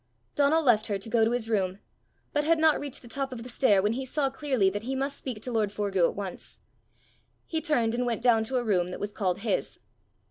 Donal left her to go to his room, but had not reached the top of the stair when he saw clearly that he must speak to lord Forgue at once: he turned and went down to a room that was called his.